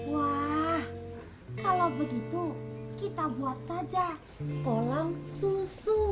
wah kalau begitu kita buat saja kolam susu